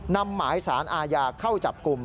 นำหมายสารอาญาเข้าจับกลุ่ม